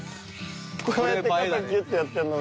こうやって肩ギュッてやってるの。